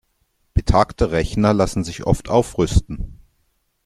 Betagte Rechner lassen sich oft aufrüsten.